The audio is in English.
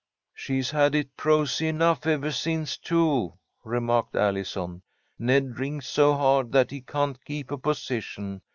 "She's had it prosy enough ever since, too," remarked Allison. "Ned drinks so hard that he can't keep a position.